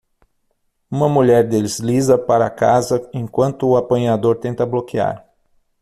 Uma mulher desliza para casa enquanto o apanhador tenta bloquear.